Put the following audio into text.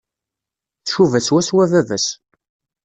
Tcuba swaswa baba-s.